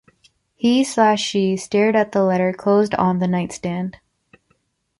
He/she stared the letter closed on the nightstand.